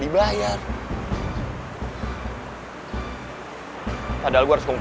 sedulur kutip tapi keben tube